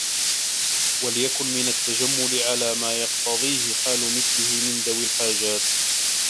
وَلْيَكُنْ مِنْ التَّجَمُّلِ عَلَى مَا يَقْتَضِيهِ حَالُ مِثْلِهِ مِنْ ذَوِي الْحَاجَاتِ